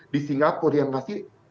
di singapura yang ngasih